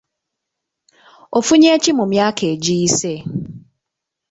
Ofunye ki mu myaka egiyise?